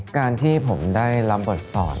การที่ผมได้รับบทสอน